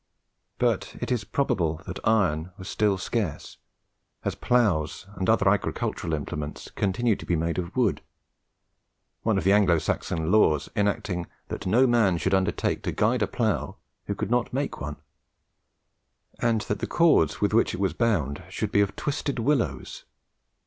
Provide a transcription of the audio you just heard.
But it is probable that iron was still scarce, as ploughs and other agricultural implements continued to be made of wood, one of the Anglo Saxon laws enacting that no man should undertake to guide a plough who could not make one; and that the cords with which it was bound should be of twisted willows.